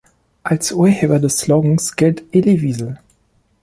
Als Urheber des Slogans gilt Elie Wiesel.